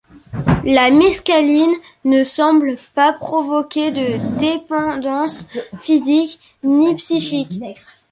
La mescaline ne semble pas provoquer de dépendance physique ni psychique.